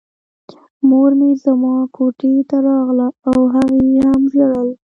مور مې زما کوټې ته راغله او هغې هم ژړل